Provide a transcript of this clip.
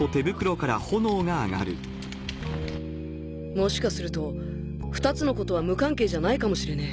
もしかすると２つのことは無関係じゃないかもしれねえ。